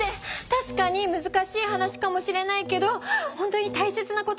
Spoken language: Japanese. たしかにむずかしい話かもしれないけど本当に大切なことなの。